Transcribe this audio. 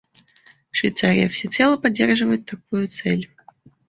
Швейцария всецело поддерживает такую цель.